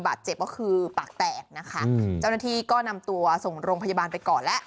บาดเจ็บก็คือปากแตกนะคะเจ้าหน้าที่ก็นำตัวส่งโรงพยาบาลไปก่อนแล้ว